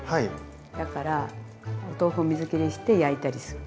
だからお豆腐を水きりして焼いたりするの。